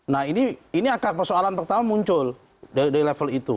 nah ini akar persoalan pertama muncul dari level itu